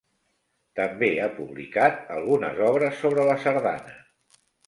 També ha publicat algunes obres sobre la sardana.